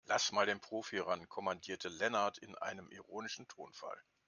Lass mal den Profi ran, kommandierte Lennart in einem ironischen Tonfall.